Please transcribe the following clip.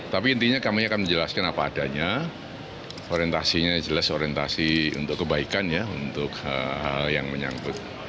tapi intinya kami akan menjelaskan apa adanya orientasinya jelas orientasi untuk kebaikan ya untuk hal yang menyangkut